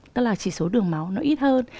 tức là chỉ số đường máu nó ít hơn